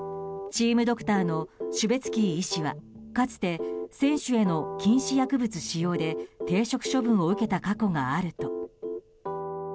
チームドクターのシュベツキー医師はかつて選手への禁止薬物使用で停職処分を受けた過去があると。